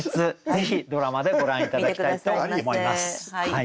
ぜひドラマでご覧頂きたいと思います。